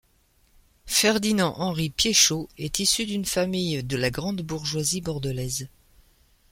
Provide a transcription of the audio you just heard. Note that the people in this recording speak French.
Ferdinand Henri Piéchaud est issu d'une famille de la grande bourgeoisie bordelaise.